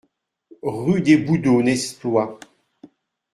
Rue des Boudeaux, Nesploy